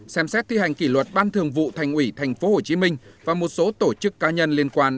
ba xem xét thi hành kỷ luật ban thường vụ thành ủy tp hcm và một số tổ chức cá nhân liên quan